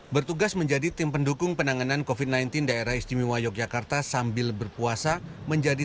bertugas menjadi tim pendukung penanganan kofit sembilan belas daerah istimewa yogyakarta sambil berpuasa menjadi